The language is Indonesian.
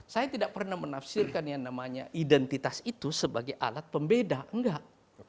saya tidak pernah menafsirkan yang namanya identitas itu sebagai alat pembeda enggak